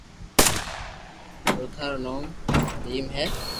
چوٿا رو نوم ڀيم ھي